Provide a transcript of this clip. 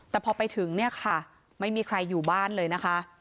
แต่พอไปถึงเนี่ยค่ะไม่มีใครอยู่บ้านเลยนะคะ